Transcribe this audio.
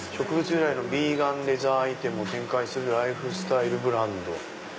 由来のヴィーガンレザーアイテムを展開するライフスタイルブランド」。